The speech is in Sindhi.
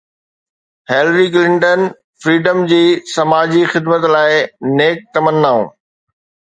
هيلري ڪلنٽن فريڊم جي سماجي خدمت لاءِ نيڪ تمنائون